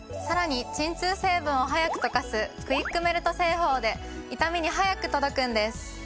さらに鎮痛成分を速く溶かすクイックメルト製法で痛みに速く届くんです。